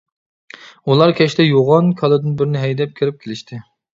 ئۇلار كەچتە يوغان كالىدىن بىرنى ھەيدەپ كىرىپ كېلىشتى.